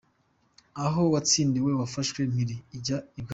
Aho batsindiwe yafashwe mpiri, ijya I bwami.